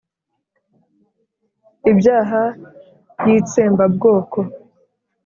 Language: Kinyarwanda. ibyaha y'itsembabwoko